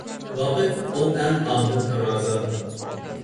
ۋاقىت، ئۇ ئەڭ ئادىل تارازا.